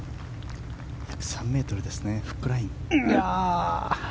約３ｍですねフックライン。